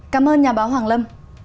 cảm ơn nhà báo hoàng lâm